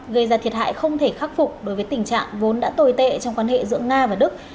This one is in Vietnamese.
gây ra thiệt hại không thể khắc phục đối với tình trạng vốn đã tồi tệ trong quan hệ giữa nga và đức